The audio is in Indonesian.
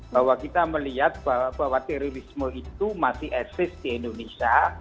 bahwa kita melihat bahwa terorisme itu masih eksis di indonesia